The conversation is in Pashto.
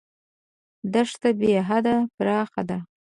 دښته بېحده پراخه ده.